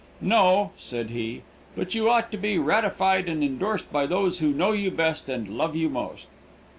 "No," said he, "but you ought to be ratified and indorsed by those who know you best and love you most."